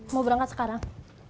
mau berangkat sekarang